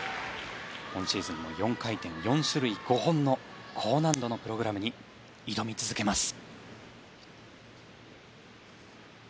今シーズンも４回転、４種類５本の高難度のプログラムに挑み続けます。